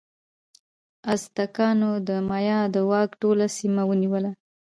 ازتکانو د مایا د واک ټوله سیمه ونیوله.